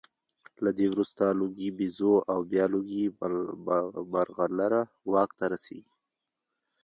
له ده وروسته د لوګي بیزو او بیا لوګي مرغلره واک ته رسېږي